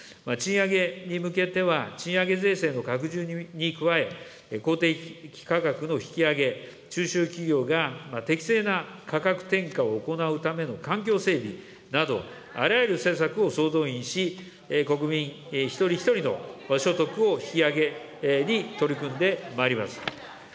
賃上げに向けては、賃上げ税制の拡充に加え、公的価格の引き上げ、中小企業が適正な価格転嫁を行うための環境整備など、あらゆる施策を総動員し、国民一人一人の所得を引き上げに、取り組んでまいります。